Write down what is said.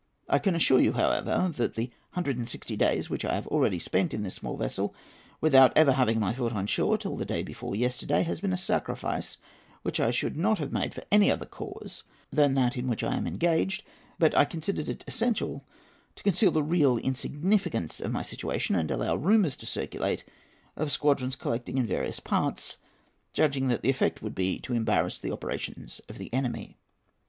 I can assure you, however, that the hundred and sixty days which I have already spent in this small vessel, without ever having my foot on shore till the day before yesterday, has been a sacrifice which I should not have made for any other cause than that in which I am engaged; but I considered it essential to conceal the real insignificance of my situation and allow rumours to circulate of squadrons collecting in various parts, judging that the effect would be to embarrass the operations of the enemy."